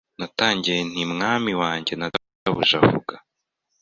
Natangiye nti Mwami wanjye na Databuja vuga